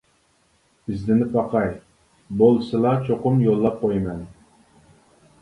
ئىزدىنىپ باقاي، بولسىلا چوقۇم يوللاپ قۇيىمەن.